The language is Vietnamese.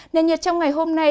nền nhiệt trong ngày hôm nay